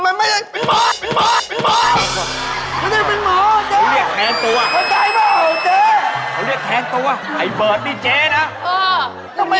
มันไม่ได้เป็นหมอ